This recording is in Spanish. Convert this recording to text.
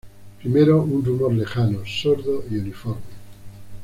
Primero un rumor lejano, sordo y uniforme.